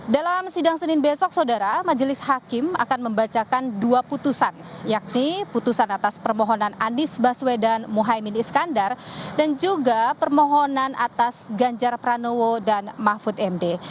dalam sidang senin besok saudara majelis hakim akan membacakan dua putusan yakni putusan atas permohonan anies baswedan muhaymin iskandar dan juga permohonan atas ganjar pranowo dan mahfud md